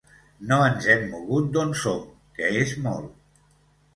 No ens hem mogut d’on som, que és molt.